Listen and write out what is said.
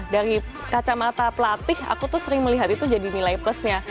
dari kacamata pelatih aku tuh sering melihat itu jadi nilai plusnya